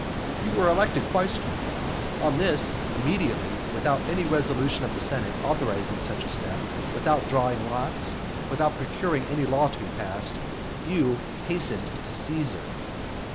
You were elected quaestor. On this, immediately, without any resolution of the senate authorizing such a step, without drawing lots, without procuring any law to be passed, you hastened to Caesar.